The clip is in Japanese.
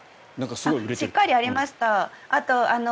しっかりありました。